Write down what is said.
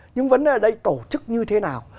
nhưng vấn đề ở đây tổ chức như thế nào